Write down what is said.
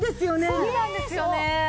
そうなんですよね。